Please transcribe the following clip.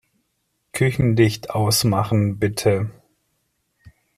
Küchenlicht ausmachen, bitte.